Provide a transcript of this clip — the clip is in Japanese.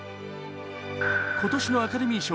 今年のアカデミー賞